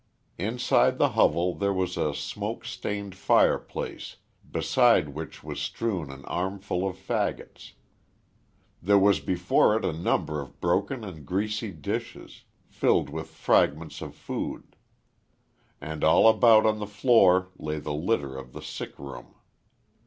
Inside the hovel there was a smoke stained fireplace beside which was strewn an armful of faggots. There was before it a number of broken and greasy dishes, filled with fragments of food. And all about on the floor lay the litter of the sick room.